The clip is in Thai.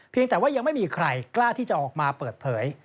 แต่ว่ายังไม่มีใครกล้าที่จะออกมาเปิดเผย